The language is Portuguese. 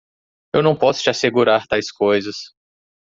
Eu não posso te assegurar tais coisas.